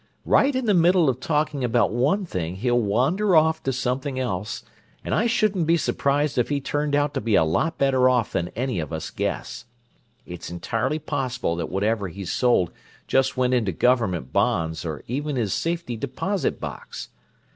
Right in the middle of talking about one thing he'll wander off to something else; and I shouldn't be surprised if he turned out to be a lot better off than any of us guess. It's entirely possible that whatever he's sold just went into government bonds, or even his safety deposit box.